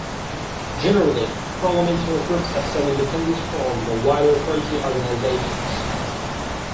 Generally, parliamentary groups have some independence from the wider party organisations.